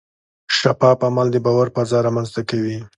شفاف عمل د باور فضا رامنځته کوي.